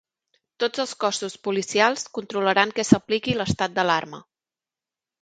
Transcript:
Tots els cossos policials controlaran que s'apliqui l'estat d'alarma